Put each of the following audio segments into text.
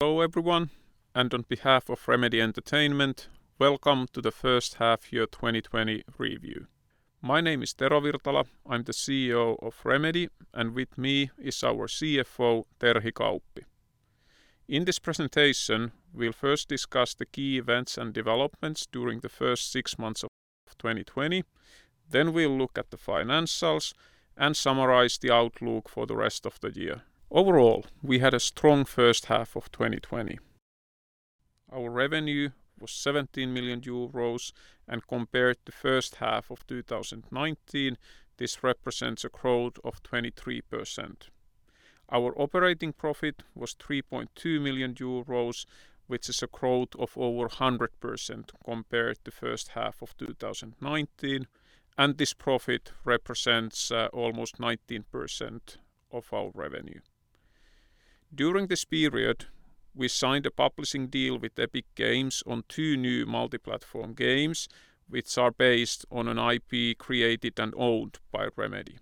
Hello everyone. On behalf of Remedy Entertainment, welcome to the First Half Year 2020 Review. My name is Tero Virtala. I'm the CEO of Remedy. With me is our CFO, Terhi Kauppi. In this presentation, we'll first discuss the key events and developments during the first six months of 2020. We'll look at the financials and summarize the outlook for the rest of the year. Overall, we had a strong first half of 2020. Our revenue was 17 million euros. Compared to first half of 2019, this represents a growth of 23%. Our operating profit was 3.2 million euros, which is a growth of over 100% compared to first half of 2019. This profit represents almost 19% of our revenue. During this period, we signed a publishing deal with Epic Games on two new multi-platform games, which are based on an IP created and owned by Remedy.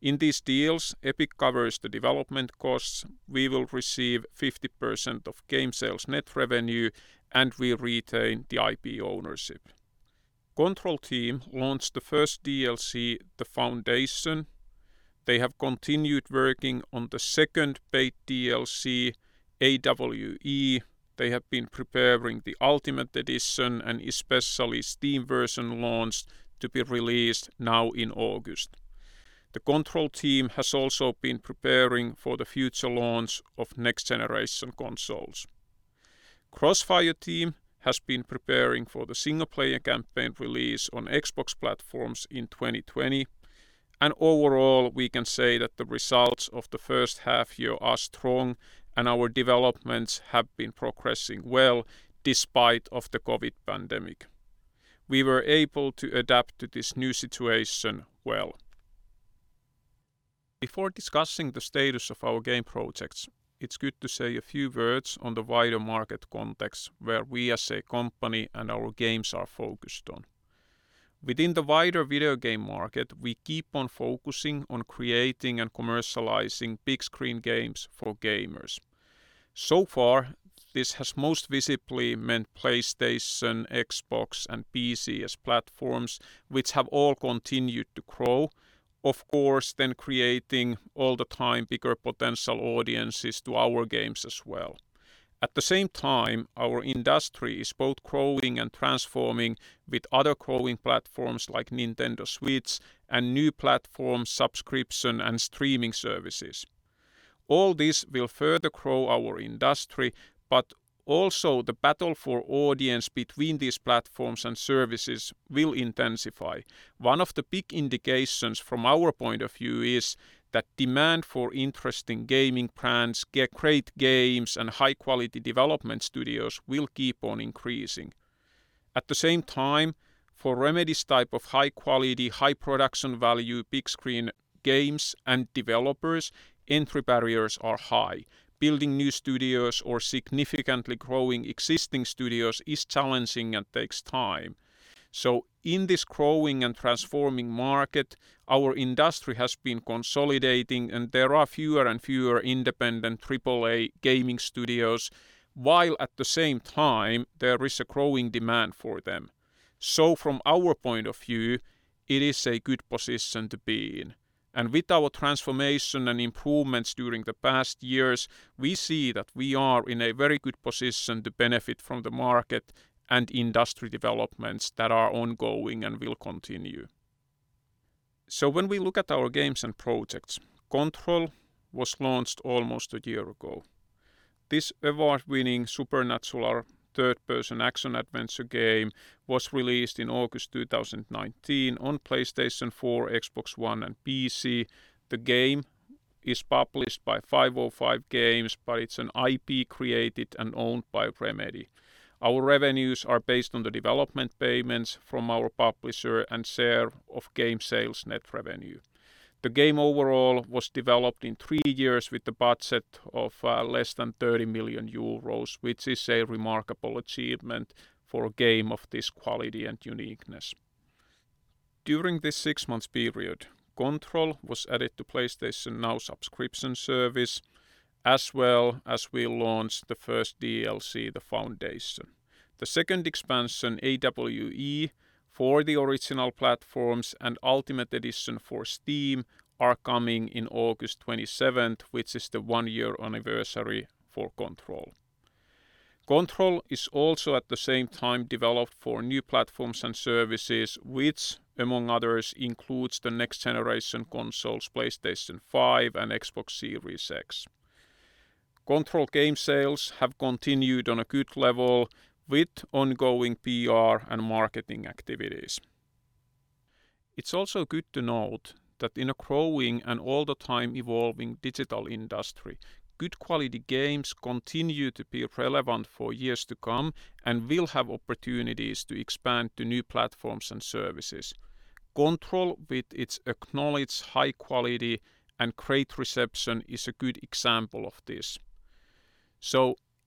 In these deals, Epic covers the development costs. We will receive 50% of game sales net revenue, and we retain the IP ownership. Control team launched the first DLC, The Foundation. They have continued working on the second paid DLC, AWE. They have been preparing the Ultimate Edition and especially Steam version launch to be released now in August. The Control team has also been preparing for the future launch of next-generation consoles. CrossFire team has been preparing for the single-player campaign release on Xbox platforms in 2020, and overall, we can say that the results of the first half year are strong, and our developments have been progressing well despite of the COVID pandemic. We were able to adapt to this new situation well. Before discussing the status of our game projects, it's good to say a few words on the wider market context where we as a company and our games are focused on. Within the wider video game market, we keep on focusing on creating and commercializing big-screen games for gamers. So far, this has most visibly meant PlayStation, Xbox, and PC as platforms, which have all continued to grow, of course, then creating all the time bigger potential audiences to our games as well. At the same time, our industry is both growing and transforming with other growing platforms like Nintendo Switch and new platform subscription and streaming services. All this will further grow our industry, but also the battle for audience between these platforms and services will intensify. One of the big indications from our point of view is that demand for interesting gaming brands, great games, and high-quality development studios will keep on increasing. At the same time, for Remedy's type of high-quality, high production value, big-screen games and developers, entry barriers are high. Building new studios or significantly growing existing studios is challenging and takes time. In this growing and transforming market, our industry has been consolidating, and there are fewer and fewer independent AAA gaming studios, while at the same time, there is a growing demand for them. From our point of view, it is a good position to be in. With our transformation and improvements during the past years, we see that we are in a very good position to benefit from the market and industry developments that are ongoing and will continue. When we look at our games and projects, Control was launched almost a year ago. This award-winning supernatural third-person action-adventure game was released in August 2019 on PlayStation 4, Xbox One, and PC. The game is published by 505 Games, but it's an IP created and owned by Remedy. Our revenues are based on the development payments from our publisher and share of game sales net revenue. The game overall was developed in three years with the budget of less than 30 million euros, which is a remarkable achievement for a game of this quality and uniqueness. During this six-month period, Control was added to PlayStation Now subscription service, as well as we launched the first DLC, The Foundation. The second expansion, AWE, for the original platforms and Ultimate Edition for Steam are coming in August 27th, which is the one-year anniversary for Control. Control is also at the same time developed for new platforms and services, which, among others, includes the next-generation consoles, PlayStation 5 and Xbox Series X. Control game sales have continued on a good level with ongoing PR and marketing activities. It's also good to note that in a growing and all the time evolving digital industry, good quality games continue to be relevant for years to come and will have opportunities to expand to new platforms and services. Control, with its acknowledged high quality and great reception, is a good example of this.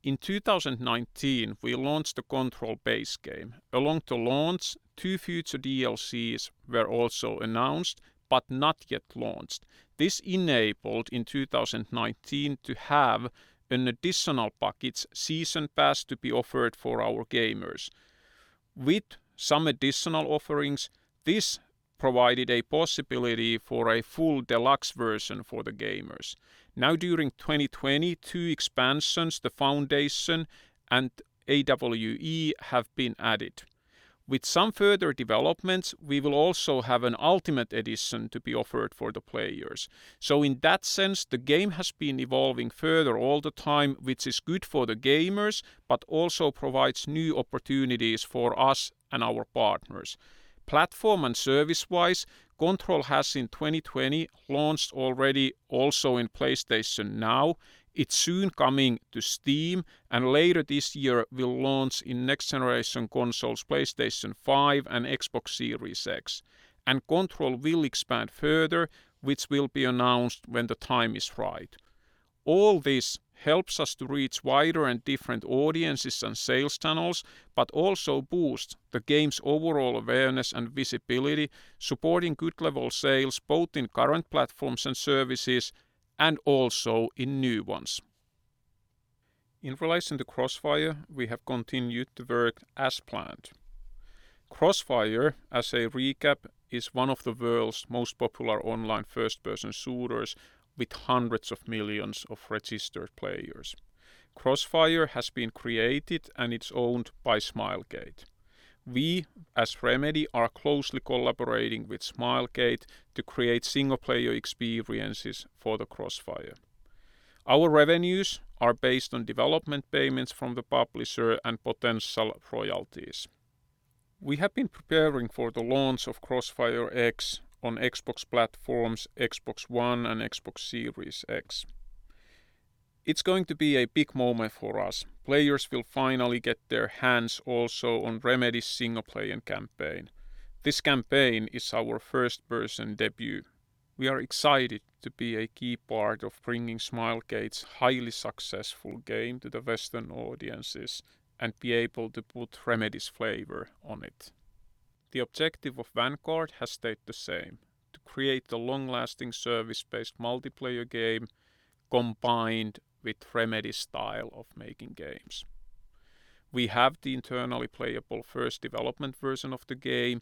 In 2019, we launched the Control base game. Along to launch, two future DLCs were also announced but not yet launched. This enabled in 2019 to have an additional package season pass to be offered for our gamers. With some additional offerings, this provided a possibility for a full deluxe version for the gamers. Now during 2020, two expansions, The Foundation and AWE, have been added. With some further developments, we will also have an Ultimate Edition to be offered for the players. In that sense, the game has been evolving further all the time, which is good for the gamers, but also provides new opportunities for us and our partners. Platform and service-wise, Control has in 2020 launched already also in PlayStation Now. It's soon coming to Steam, and later this year will launch in next generation consoles PlayStation 5 and Xbox Series X. Control will expand further, which will be announced when the time is right. All this helps us to reach wider and different audiences and sales channels, but also boosts the game's overall awareness and visibility, supporting good level sales both in current platforms and services and also in new ones. In relation to CrossFire, we have continued to work as planned. CrossFire, as a recap, is one of the world's most popular online first-person shooters with hundreds of millions of registered players. CrossFire has been created and it's owned by Smilegate. We, as Remedy, are closely collaborating with Smilegate to create single-player experiences for the CrossFire. Our revenues are based on development payments from the publisher and potential royalties. We have been preparing for the launch of CrossFireX on Xbox platforms, Xbox One and Xbox Series X. It's going to be a big moment for us. Players will finally get their hands also on Remedy's single-player campaign. This campaign is our first-person debut. We are excited to be a key part of bringing Smilegate's highly successful game to the Western audiences and be able to put Remedy's flavor on it. The objective of Vanguard has stayed the same, to create the long-lasting service-based multiplayer game combined with Remedy's style of making games. We have the internally playable first development version of the game,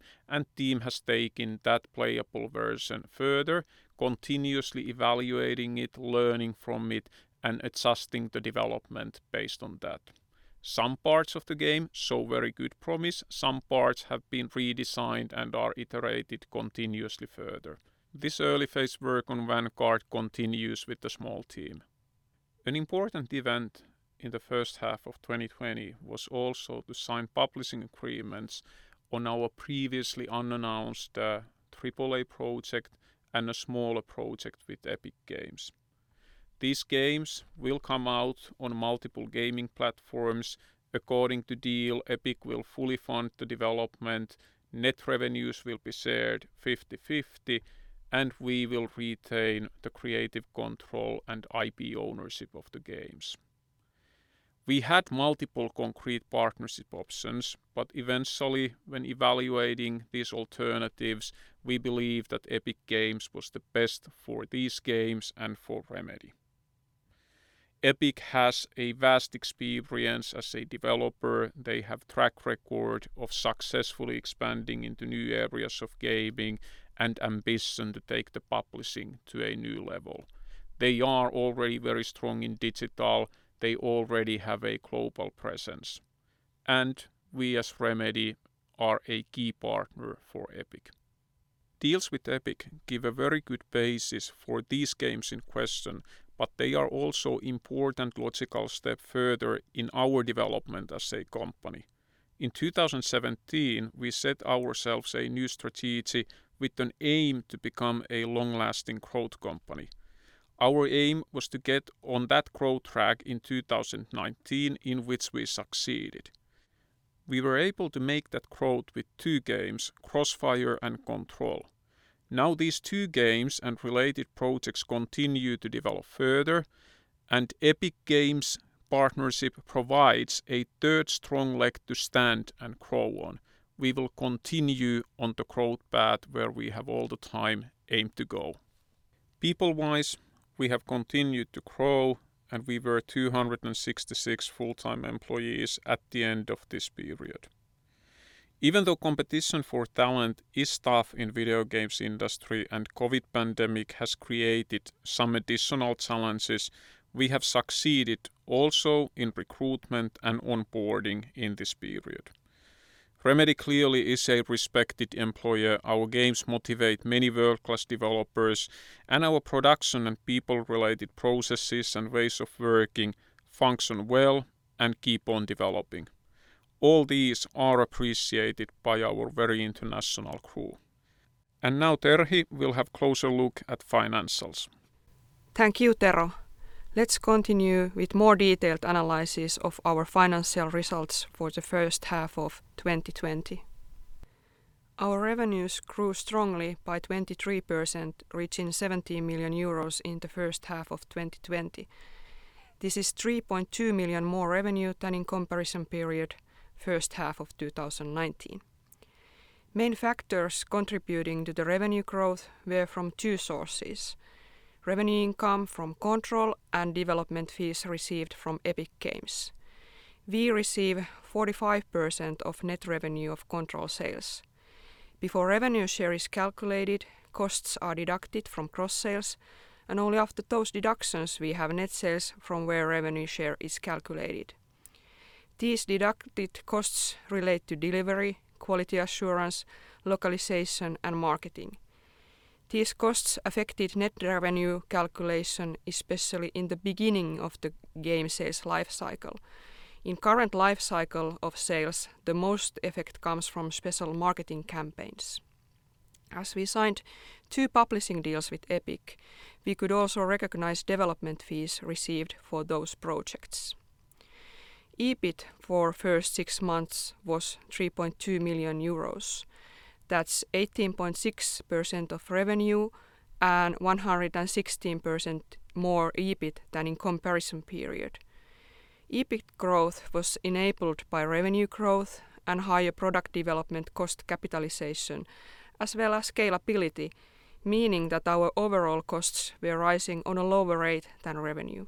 team has taken that playable version further, continuously evaluating it, learning from it, and adjusting the development based on that. Some parts of the game show very good promise. Some parts have been redesigned and are iterated continuously further. This early phase work on Vanguard continues with the small team. An important event in the first half of 2020 was also to sign publishing agreements on our previously unannounced AAA project and a smaller project with Epic Games. These games will come out on multiple gaming platforms. According to deal, Epic will fully fund the development, net revenues will be shared 50/50, and we will retain the creative control period. Even though competition for talent is tough in video games industry and COVID pandemic has created some additional challenges, we have succeeded also in recruitment and onboarding in this period. Remedy clearly is a respected employer. Our games motivate many world-class developers, and our production and people-related processes and ways of working function well and keep on developing. All these are appreciated by our very international crew. Now Terhi will have closer look at financials. Thank you, Tero. Let's continue with more detailed analysis of our financial results for the first half of 2020. Our revenues grew strongly by 23%, reaching 17 million euros in the first half of 2020. This is 3.2 million more revenue than in comparison period first half of 2019. Main factors contributing to the revenue growth were from two sources, revenue income from Control and development fees received from Epic Games. We receive 45% of net revenue of Control sales. Before revenue share is calculated, costs are deducted from gross sales, and only after those deductions, we have net sales from where revenue share is calculated. These deducted costs relate to delivery, quality assurance, localization, and marketing. These costs affected net revenue calculation, especially in the beginning of the game sales life cycle. In current life cycle of sales, the most effect comes from special marketing campaigns. As we signed two publishing deals with Epic, we could also recognize development fees received for those projects. EBIT for first six months was 3.2 million euros. That's 18.6% of revenue and 116% more EBIT than in comparison period. EBIT growth was enabled by revenue growth and higher product development cost capitalization, as well as scalability, meaning that our overall costs were rising on a lower rate than revenue.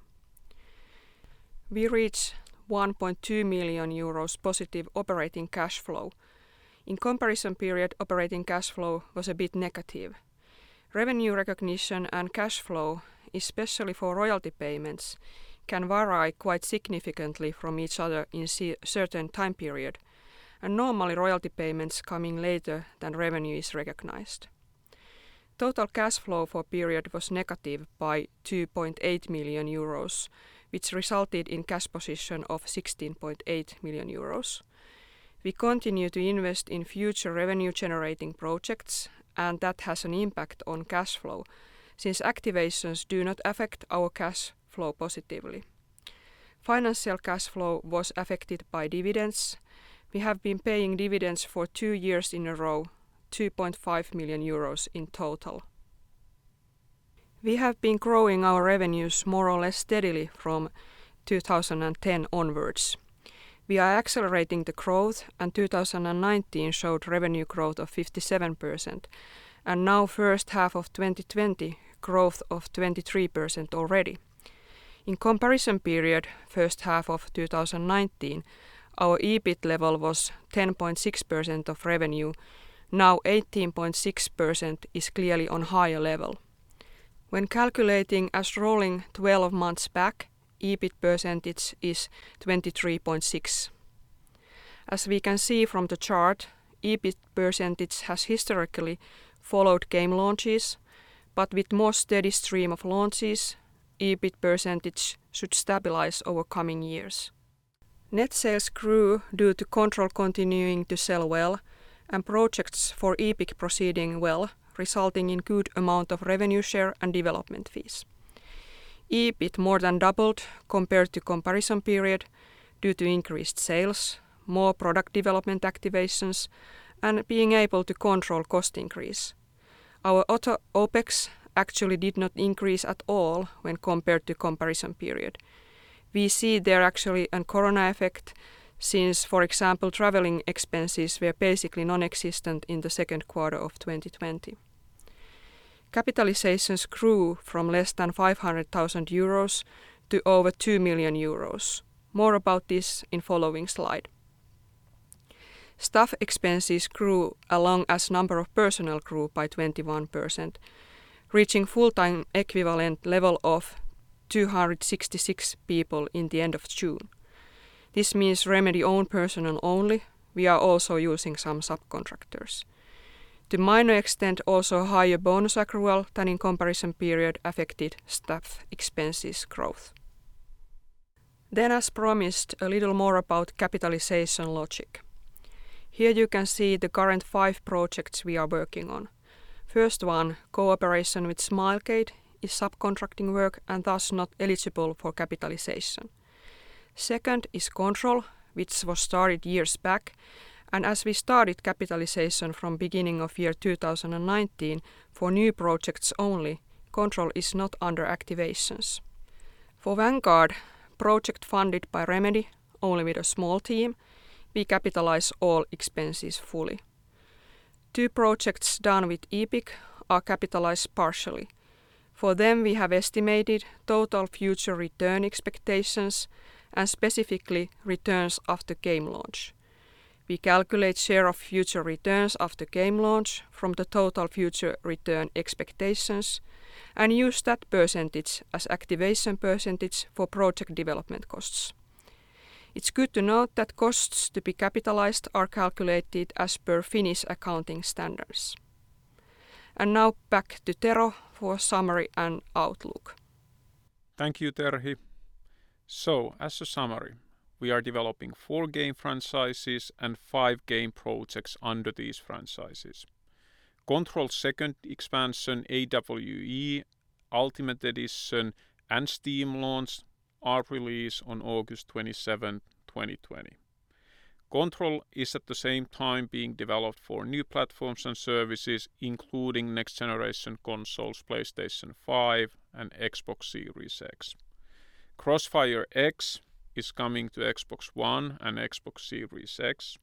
We reached EUR 1.2 million positive operating cash flow. In comparison period, operating cash flow was a bit negative. Revenue recognition and cash flow, especially for royalty payments, can vary quite significantly from each other in a certain time period. Normally royalty payments coming later than revenue is recognized. Total cash flow for period was negative by EUR 2.8 million, which resulted in cash position of EUR 16.8 million. We continue to invest in future Second is Control, which was started years back, as we started capitalization from beginning of year 2019 for new projects only, Control is not under activations. For Vanguard, project funded by Remedy only with a small team, we capitalize all expenses fully. Two projects done with Epic are capitalized partially. For them, we have estimated total future return expectations and specifically returns after game launch. We calculate share of future returns after game launch from the total future return expectations use that percentage as activation percentage for project development costs. It's good to note that costs to be capitalized are calculated as per Finnish Accounting Standards. Now back to Tero for summary and outlook. Thank you, Terhi. As a summary, we are developing four game franchises and five game projects under these franchises. Control second expansion, AWE, Ultimate Edition, and Steam launch are released on August 27th, 2020. Control is at the same time being developed for new platforms and services, including next-generation consoles, PlayStation 5 and Xbox Series X. CrossFireX is coming to Xbox One and Xbox Series X.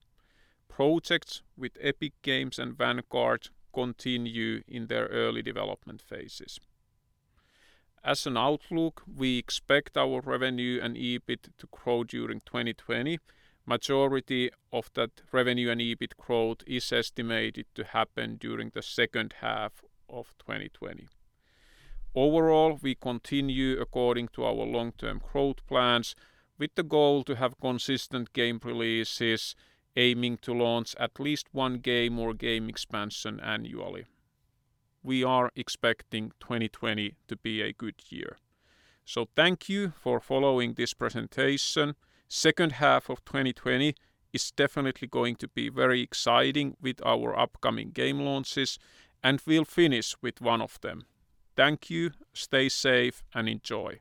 Projects with Epic Games and Vanguard continue in their early development phases. As an outlook, we expect our revenue and EBIT to grow during 2020. Majority of that revenue and EBIT growth is estimated to happen during the second half of 2020. Overall, we continue according to our long-term growth plans with the goal to have consistent game releases aiming to launch at least one game or game expansion annually. We are expecting 2020 to be a good year. Thank you for following this presentation. Second half of 2020 is definitely going to be very exciting with our upcoming game launches, and we'll finish with one of them. Thank you. Stay safe and enjoy.